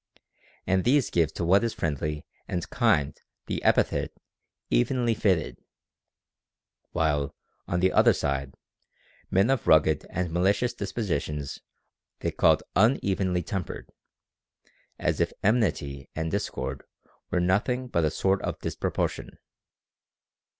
And these give to what is friendly and kind the epithet " evenly fitted ;" while, on the other side, men of rugged and malicious dispositions they called " unevenly tempered," as if enmity and discord were nothing but a 366 OF THE PROCREATION OF THE SOUL. sort of a disproportion.